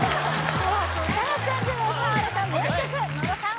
「紅白歌合戦」でも歌われた名曲野呂さん